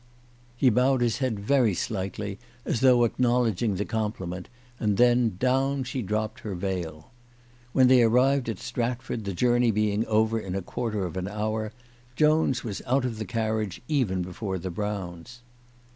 He bowed his head very slightly, as though acknowledging the com pliment, and then down she dropped her veil. When they arrived at Stratford, the journey being over in a quarter of an hour, Jones was out of the carriage even before the Browns.